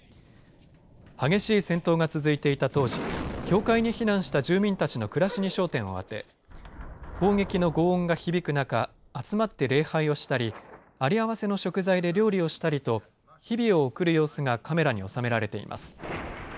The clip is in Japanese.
激しい戦闘が続いていた当時教会に避難した住民たちの暮らしに焦点を当て砲撃のごう音が響く中集まって礼拝をしたりあり合わせの食材で料理をしたりと日々を送る様子がカメラに収められています。